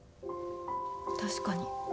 確かに。